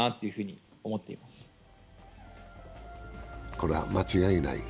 これは間違いない？